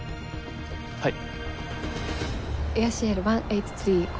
はい。